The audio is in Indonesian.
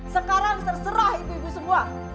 sekarang terserah ibu ibu semua